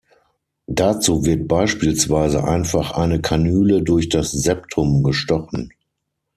Dazu wird beispielsweise einfach eine Kanüle durch das Septum gestochen.